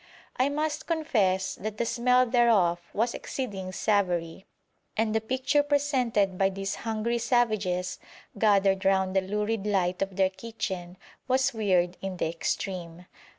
I must confess that the smell thereof was exceeding savoury, and the picture presented by these hungry savages, gathered round the lurid light of their kitchen, was weird in the extreme.